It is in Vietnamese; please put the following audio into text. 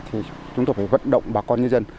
thì chúng tôi phải vận động bà con nhân dân